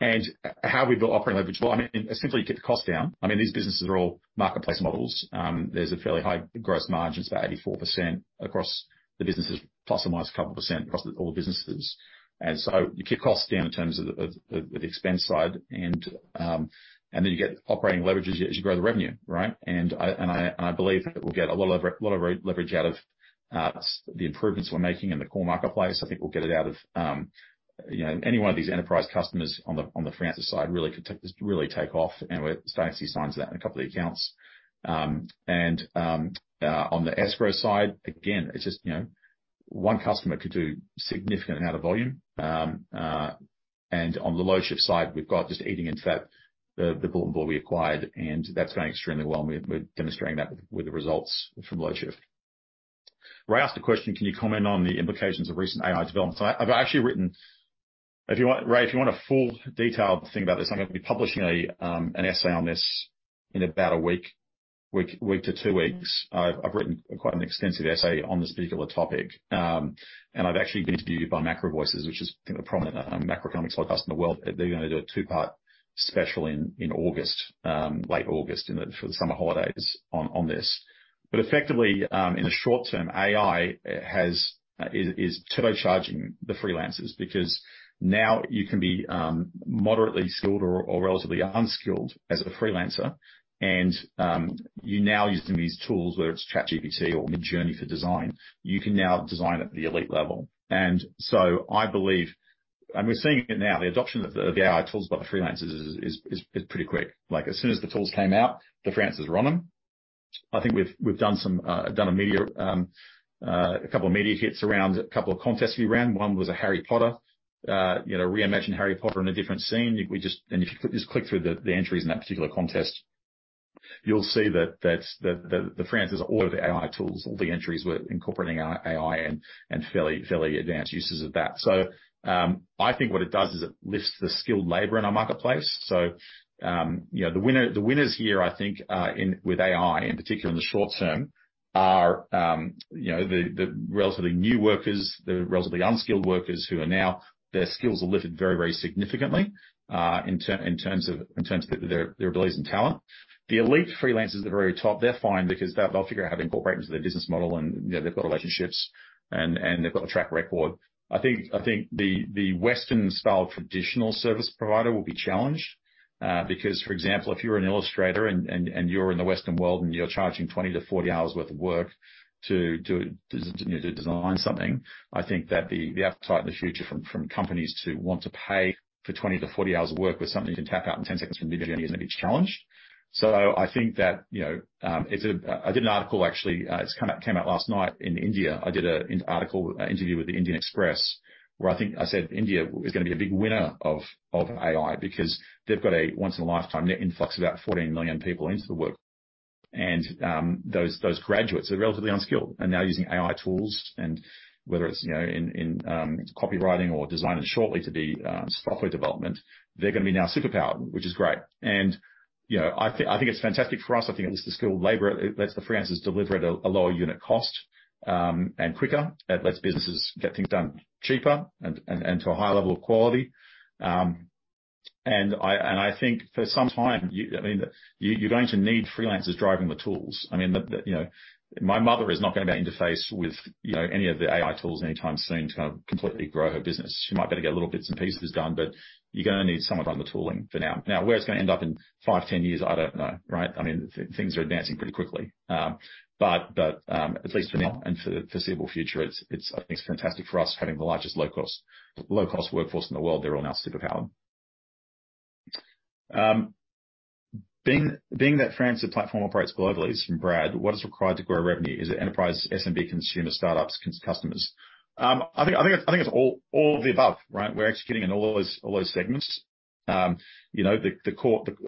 S1: we build operating leverage? I mean, simply keep the costs down. I mean, these businesses are all marketplace models. There's a fairly high gross margins, about 84% across the businesses, plus or minus a couple percent across all the businesses. You keep costs down in terms of the expense side, and then you get operating leverage as you grow the revenue, right? I believe that we'll get a lot of leverage out of the improvements we're making in the core marketplace. I think we'll get it out of, you know, any one of these enterprise customers on the Freelancer side really could really take off, and we're starting to see signs of that in a couple of the accounts. On the Escrow side, again, it's just, you know, one customer could do significant amount of volume. On the Loadshift side, we've got just eating into that, the Bull and Boar we acquired, that's going extremely well. We're demonstrating that with the results from Loadshift.
S2: Ray asked a question: Can you comment on the implications of recent AI developments?
S1: I've actually written... If you want, Ray, if you want a full detailed thing about this, I'm going to be publishing an essay on this in about a week to two weeks. I've written quite an extensive essay on this particular topic. I've actually been interviewed by MacroVoices, which is kind of a prominent macroeconomics podcast in the world. They're going to do a two-part special in August, late August, for the summer holidays on this. Effectively, in the short term, AI is turbocharging the freelancers because now you can be moderately skilled or relatively unskilled as a freelancer, and you're now using these tools, whether it's ChatGPT or Midjourney for design, you can now design at the elite level. I believe, and we're seeing it now, the adoption of the AI tools by the freelancers is pretty quick. Like, as soon as the tools came out, the freelancers were on them. I think we've done some done a media a couple of media hits around a couple of contests we ran. One was a Harry Potter, you know, reimagine Harry Potter in a different scene. If you just click through the entries in that particular contest, you'll see that the freelancers all over the AI tools, all the entries were incorporating AI and fairly advanced uses of that. I think what it does is it lifts the skilled labor in our marketplace. You know, the winners here, I think, with AI, in particular in the short term, are, you know, the relatively new workers, the relatively unskilled workers who are now, their skills are lifted very, very significantly in terms of their abilities and talent. The elite freelancers at the very top, they're fine because they'll figure out how to incorporate into their business model, and, you know, they've got relationships and they've got a track record. I think the Western-style traditional service provider will be challenged because, for example, if you're an illustrator and you're in the Western world, and you're charging 20-40 hours worth of work to design something, I think that the appetite in the future from companies to want to pay for 20-40 hours of work with something you can tap out in 10 seconds from Midjourney is going to be challenged. I think that, you know, I did an article, actually, it's kind of came out last night in India. I did a article, an interview with The Indian Express, where I think I said India is going to be a big winner of AI because they've got a once-in-a-lifetime net influx of about 14 million people into the workforce. Those graduates are relatively unskilled, and now using AI tools, and whether it's, you know, in copywriting or design and shortly to be software development, they're gonna be now superpowered, which is great. You know, I think it's fantastic for us. I think it gives the skilled labor. It lets the freelancers deliver at a lower unit cost and quicker. It lets businesses get things done cheaper and to a higher level of quality. I think for some time, you, I mean, you're going to need freelancers driving the tools. I mean, you know, my mother is not gonna be able to interface with, you know, any of the AI tools anytime soon to completely grow her business. She might be able to get little bits and pieces done, but you're gonna need someone running the tooling for now. Where it's gonna end up in five, 10 years, I don't know, right? I mean, things are advancing pretty quickly. But at least for now and for the foreseeable future, it's I think it's fantastic for us, having the largest low-cost workforce in the world. They're all now superpowered.
S2: Being that Freelancer platform operates globally, this from Brad, what is required to grow revenue? Is it enterprise SMB, consumer, startups, customers?
S1: I think it's all of the above, right? We're executing in all those segments. You know, the...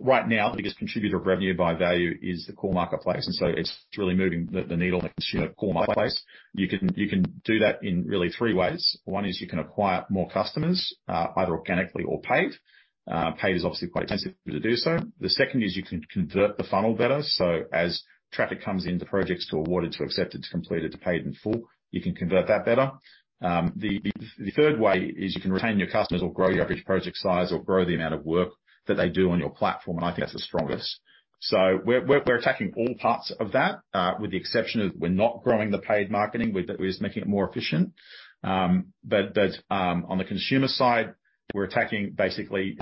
S1: Right now, the biggest contributor of revenue by value is the core marketplace. It's really moving the needle in the consumer core marketplace. You can do that in really three ways. One is you can acquire more customers, either organically or paid. Paid is obviously quite intensive to do so. The second is you can convert the funnel better, so as traffic comes into projects to awarded, to accepted, to completed, to paid in full, you can convert that better. The third way is you can retain your customers or grow your average project size, or grow the amount of work that they do on your platform. I think that's the strongest. We're attacking all parts of that, with the exception of we're not growing the paid marketing. We're just making it more efficient. On the consumer side, we're attacking basically,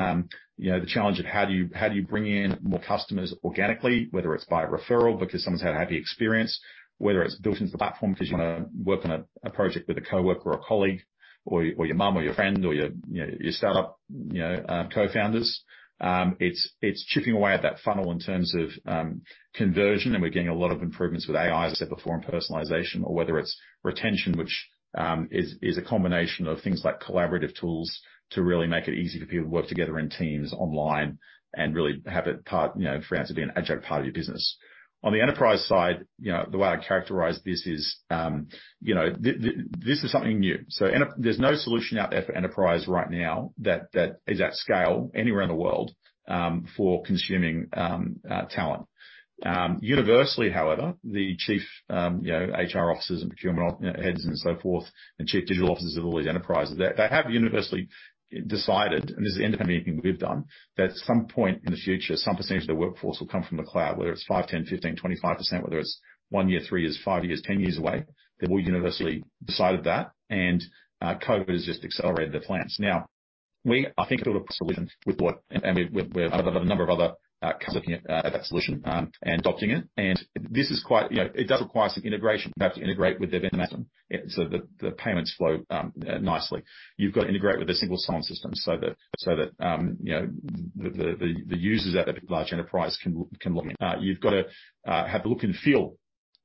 S1: you know, the challenge of how do you bring in more customers organically, whether it's by referral because someone's had a happy experience. Whether it's built into the platform, 'cause you wanna work on a project with a coworker, or a colleague, or your mom, or your friend, or your, you know, your startup, you know, co-founders. It's chipping away at that funnel in terms of conversion. We're getting a lot of improvements with AI, as I said before, and personalization. Whether it's retention, which is a combination of things like collaborative tools to really make it easy for people to work together in teams online and really have it part, you know, for us to be an adjunct part of your business. On the enterprise side, you know, the way I characterize this is, you know, this is something new. There's no solution out there for enterprise right now that is at scale anywhere in the world for consuming talent. Universally, however, the chief, you know, HR officers and procurement heads, and so forth, and chief digital officers of all these enterprises, they have universally decided, and this is independent of anything we've done, that at some point in the future, some percent of the workforce will come from the cloud. Whether it's 5%, 10%, 15%, 25%. Whether it's one year, three years, five years, 10 years away, they've all universally decided that, and COVID has just accelerated their plans. Now, we, I think, built a solution with what... We've, we're a number of other companies looking at that solution and adopting it. This is quite... You know, it does require some integration. We have to integrate with their Venmo, so that the payments flow nicely. You've got to integrate with their single sign-on system so that, you know, the users at that large enterprise can log in. You've got to have the look and feel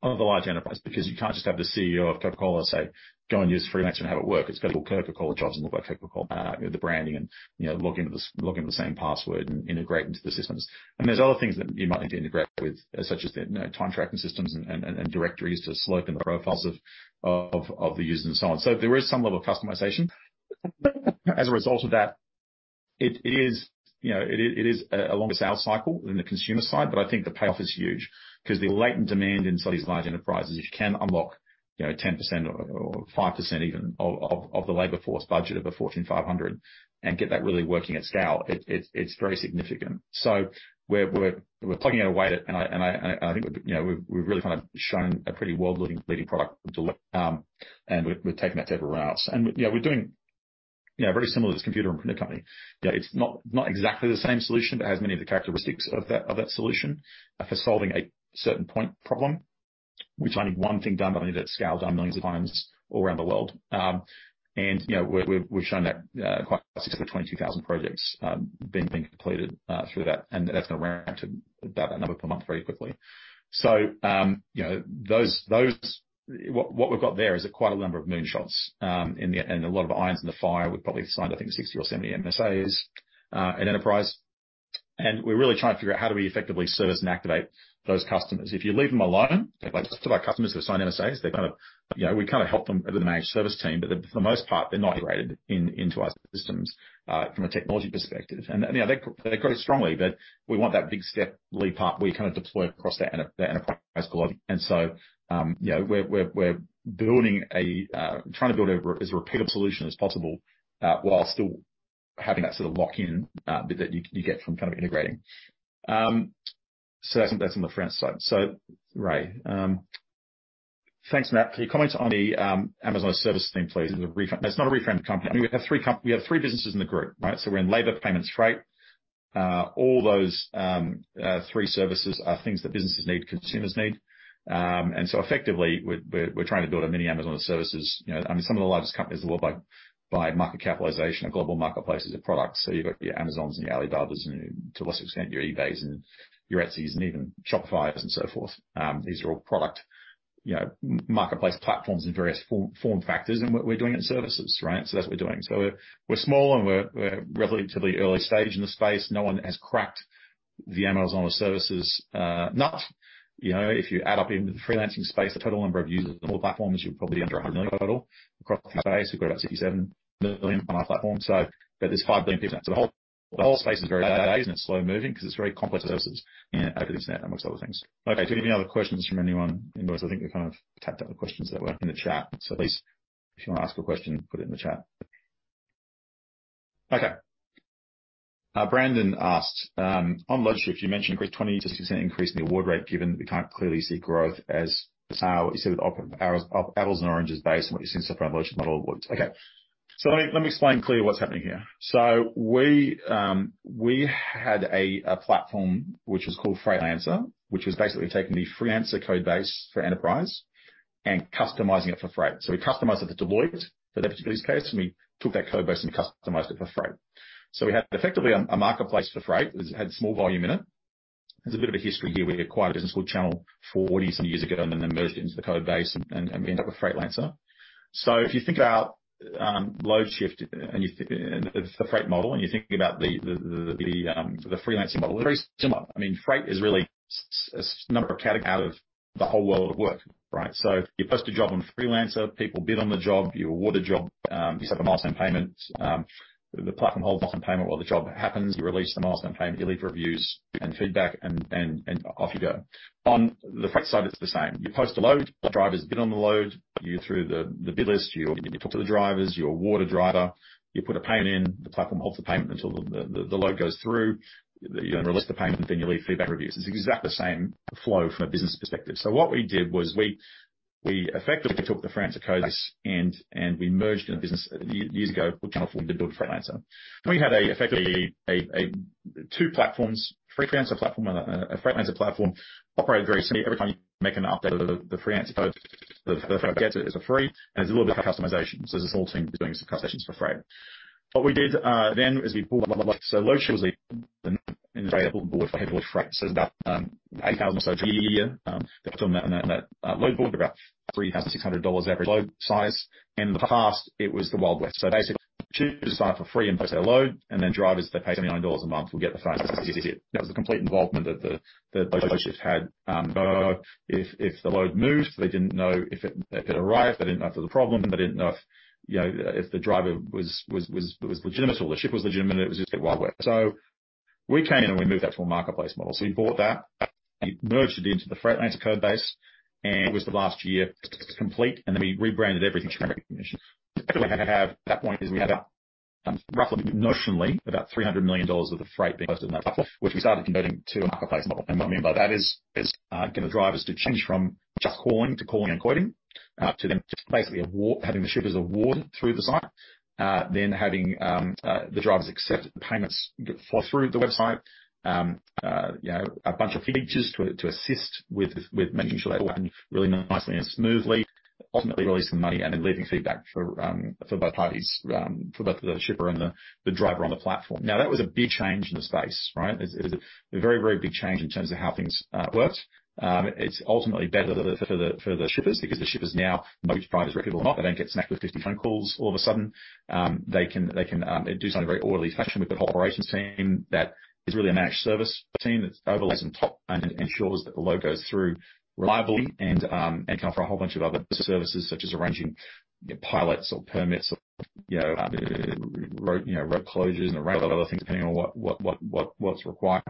S1: of the large enterprise, because you can't just have the CEO of Coca-Cola say, "Go and use Freelancer and have it work." It's got to look like Coca-Cola, jobs look like Coca-Cola. The branding and, you know, log into the same password and integrate into the systems. There's other things that you might need to integrate with, such as their, you know, time tracking systems and directories to slope in the profiles of the users and so on. There is some level of customization. As a result of that, it is, you know, it is a longer sales cycle than the consumer side, but I think the payoff is huge. The latent demand in some of these large enterprises, you can unlock, you know, 10% or 5% even of the labor force budget of a Fortune 500 and get that really working at scale. It's very significant. We're plugging away at it, and I think, you know, we've really kind of shown a pretty world-leading product, and we're taking that to everyone else. You know, we're doing, you know, very similar to this computer and printer company. You know, it's not exactly the same solution, but it has many of the characteristics of that solution for solving a certain point problem. We just want to get one thing done, but we need it scaled down millions of times all around the world. You know, we've shown that quite successfully. 22,000 projects being completed through that, and that's gonna ramp to about that number per month very quickly. You know, what we've got there is quite a number of moonshots and a lot of irons in the fire. We've probably signed, I think, 60 or 70 MSAs at enterprise, and we're really trying to figure out how do we effectively service and activate those customers. If you leave them alone, like some of our customers that sign MSAs, they kind of, you know, we help them with the managed service team, but for the most part, they're not integrated into our systems from a technology perspective. You know, they grow strongly, but we want that big step leap up, where you kind of deploy across the enterprise globally. You know, trying to build a repeatable solution as possible, while still having that sort of lock-in, that you get from kind of integrating. That's on the Freelancer side. Ray,
S2: "Thanks, Matt. Can you comment on the Amazon Web Services thing, please?
S1: It's not a rebranded company." I mean, we have three businesses in the group, right? We're in labor, payments, freight. All those three services are things that businesses need, consumers need. Effectively, we're trying to build a mini Amazon of services. You know, I mean, some of the largest companies in the world by market capitalization are global marketplaces of products. You've got your Amazons and your Alibabas and, to a lesser extent, your Ebays and your Etsys and even Shopifys and so forth. These are all product, you know, marketplace platforms in various form factors, and we're doing it in services, right? That's what we're doing. We're small, and we're relatively early stage in the space. No one has cracked the Amazon of services, not. You know, if you add up into the freelancing space, the total number of users on all platforms, you're probably under 100 million total. Across the space, we've got about 67 million on our platform, so but there's 5 billion people. The whole space is very, and it's slow moving 'cause it's very complex services, you know, over the internet, amongst other things. Do we have any other questions from anyone in the audience? I think we've kind of tapped out the questions that were in the chat. Please, if you want to ask a question, put it in the chat.
S2: Brandon asked on Loadshift, you mentioned, a great 20%-60% increase in the award rate given that we can't clearly see growth as the sale. You said with apples and oranges based on what you've seen so far, Loadshift model works.
S1: Let me explain clear what's happening here. We had a platform which was called Freightlancer, which was basically taking the Freelancer code base for enterprise and customizing it for freight. We customized it to Deloitte for that particular use case, and we took that code base and customized it for freight. We had effectively a marketplace for freight. It had small volume in it. There's a bit of a history here. We acquired a business called Channel 40 some years ago and then merged it into the code base, and we ended up with Freightlancer. If you think about Loadshift, and you think the freight model, and you're thinking about the freelancing model, very similar. I mean, freight is really number of categories out of the whole world of work, right? You post a job on Freelancer, people bid on the job, you award a job, you set the milestone payment. The platform holds milestone payment while the job happens. You release the milestone payment, you leave reviews and feedback, and off you go. On the freight side, it's the same. You post a load, drivers bid on the load, you through the bid list, you talk to the drivers, you award a driver, you put a payment in, the platform holds the payment until the load goes through. You then release the payment, then you leave feedback reviews. It's exactly the same flow from a business perspective. What we did was we effectively took the Freelancer code base, and we merged in a business years ago, Channel 40, to build Freightlancer. We had effectively two platforms, Freelancer platform and a Freightlancer platform, operated very similarly. Every time you make an update of the Freelancer code, the freight gets it as a freight, and there's a little bit of customization. There's this whole team doing some customizations for freight. What we did then is Loadshift was an inflatable board for heavy load freight. It's about 8,000 or so GMV a year. On that load board, about 3,600 dollars average load size, and in the past it was the Wild West. Basically, choose a site for free and post their load, then drivers, they pay 99 dollars a month will get the freight. That was the complete involvement that Loadshift had. If the load moved, they didn't know if it arrived, they didn't know if there was a problem, they didn't know if, you know, if the driver was legitimate or the ship was legitimate. It was just the Wild West. We came in, and we moved that to a marketplace model. We bought that, and it merged it into the Freightlancer code base, and it was the last year complete, and then we rebranded everything. We have at that point is we had about, roughly, notionally, about 300 million dollars of the freight being posted in that platform, which we started converting to a marketplace model. What I mean by that is, getting the drivers to change from just calling to calling and quoting, to them basically having the shippers award through the site, then having the drivers accept the payments flow through the website. You know, a bunch of features to assist with making sure that all happened really nicely and smoothly, ultimately releasing the money and then leaving feedback for both parties, for both the shipper and the driver on the platform. That was a big change in the space, right? It's a very big change in terms of how things worked. It's ultimately better for the shippers, because the shippers now know which drivers are good or not. They don't get smacked with 50 phone calls all of a sudden. They can do something very orderly fashion with the whole operations team that is really a managed service team that overlays on top and ensures that the load goes through reliably and can offer a whole bunch of other services, such as arranging pilots or permits or, you know, road, you know, road closures and a range of other things, depending on what's required.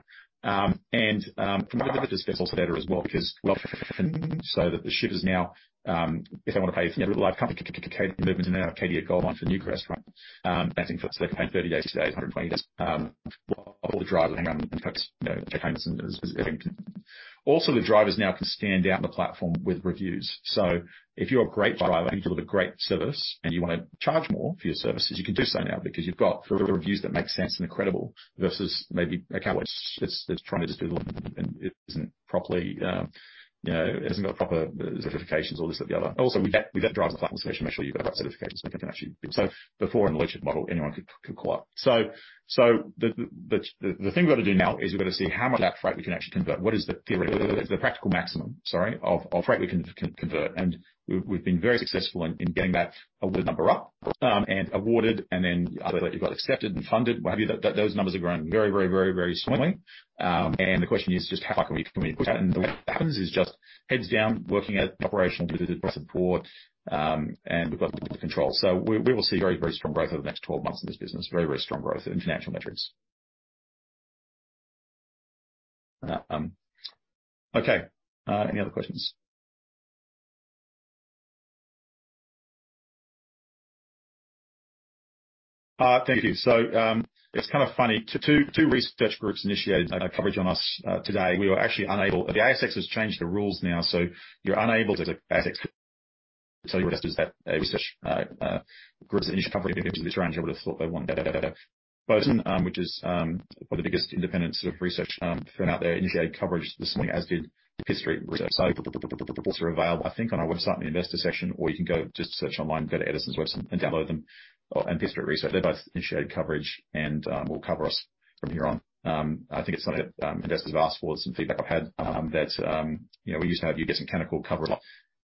S1: From a business perspective as well, because so that the shippers now, if they want to pay for the live company to move them out of Katie at Goldline for Newcrest, right? I think for, they pay 30 days to day, 120 days, all the drivers hang on, you know, payments is everything. The drivers now can stand out on the platform with reviews. If you're a great driver, you deliver great service, and you wanna charge more for your services, you can do so now because you've got the reviews that make sense and are credible versus maybe a cowboy that's trying to do the work and it isn't properly, you know, it hasn't got proper certifications or this or the other. We vet drivers on the platform to make sure you've got the right certifications, we can actually. Before, in the Loadshift model, anyone could call up. The thing we've got to do now is we've got to see how much of that freight we can actually convert. What is the theory, the practical maximum, sorry, of freight we can convert? We've been very successful in getting that award number up and awarded, then you've got accepted and funded. Those numbers are growing very strongly. The question is just how far can we push that? The way it happens is just heads down, working at operational support, we've got control. We will see very strong growth over the next 12 months in this business. Very strong growth in financial metrics. Okay, any other questions? Thank you. It's kind of funny. Two research groups initiated coverage on us today. The ASX has changed the rules now, so you're unable to... ASX, tell your investors that research groups initially cover into this range. I would have thought they want both. Which is one of the biggest independent sort of research firm out there, initiated coverage this morning, as did Pitt Street Research. Reports are available, I think, on our website in the investor section, or you can go just search online, go to Edison's website and download them, or, and Pitt Street Research. They both initiated coverage and will cover us from here on. I think it's something that investors have asked for, some feedback I've had, that, you know, we used to have you getting Canaccord coverage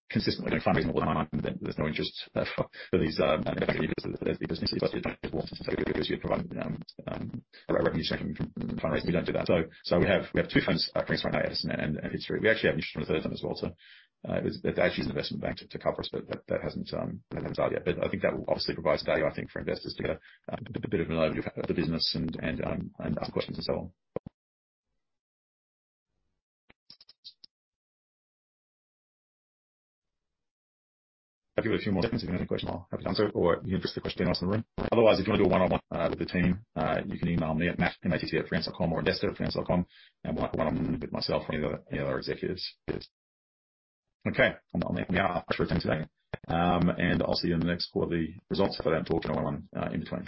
S1: consistently for a long time. There's no interest for these. We don't do that. We have two firms, Edison and Pitt Street. We actually have interest from a third one as well. It's actually an investment bank to cover us, but that hasn't started yet. I think that will obviously provide value, I think, for investors to get a bit of an overview of the business and ask questions and so on. I'll give it a few more minutes. If you have any questions, I'll have the answer or you address the question in the room. Otherwise, if you want to do a one-on-one with the team, you can email me at Matt, M-A-T-T, @freightlancer.com or investor@freightlancer.com, and one-on-one with myself or any other executives. I'll leave now. I'll see you in the next quarterly results for that talk, one-on-one, in between.